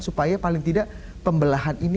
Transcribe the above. supaya paling tidak pembelahan ini